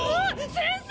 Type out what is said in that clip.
先生！